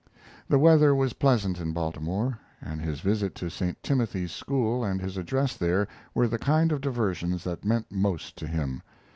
The weather was pleasant in Baltimore, and his visit to St. Timothy's School and his address there were the kind of diversions that meant most to him.